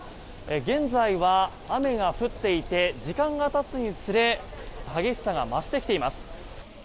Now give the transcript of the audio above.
現在は雨が降っていて時間がたつにつれ激しさが増してきています。